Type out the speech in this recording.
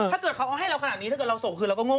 ถ้าเกิดเขาให้เราขนาดนี้ถ้าเกิดเราส่งคืนเราก็โง่